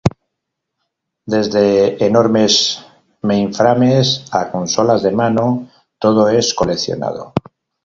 Desde enormes mainframes a consolas de mano, todo es coleccionado.